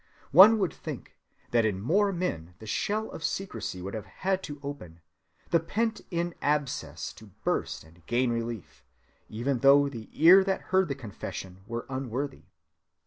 One would think that in more men the shell of secrecy would have had to open, the pent‐in abscess to burst and gain relief, even though the ear that heard the confession were unworthy.